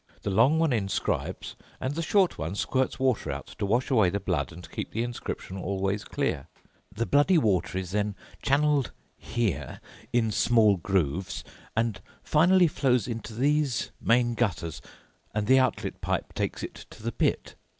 The long one inscribes, and the short one squirts water out to wash away the blood and keep the inscription always clear. The bloody water is then channeled here in small grooves and finally flows into these main gutters, and the outlet pipe takes it to the pit."